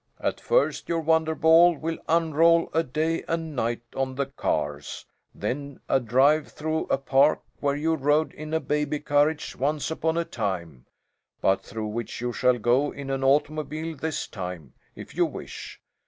At first your wonder ball will unroll a day and night on the cars, then a drive through a park where you rode in a baby carriage once upon a time, but through which you shall go in an automobile this time, if you wish.